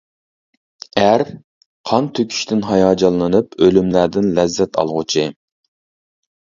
ئەر-قان تۆكۈشتىن ھاياجانلىنىپ ئۆلۈملەردىن لەززەت ئالغۇچى.